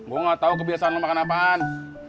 gue gak tau kebiasaan mau makan apaan